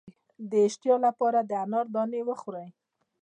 د اشتها لپاره د انار دانې وخورئ